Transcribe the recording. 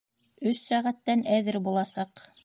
Өс сәғәттән әҙер буласаҡ.